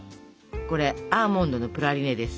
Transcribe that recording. これアーモンドのプラリネです。